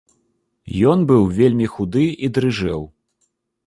Ён быў вельмі худы і дрыжэў.